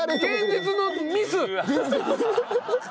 現実のミス。